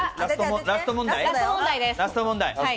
ラスト問題です。